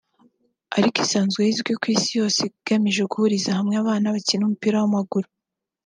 ariko isanzwe izwi ku isi yose igamije guhuriza hamwe abana bakina umupira w’amaguru